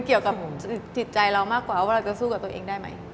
เกี่ยวกับจิตใจเรามากกว่าว่าเราจะสู้กับตัวเองได้ไหม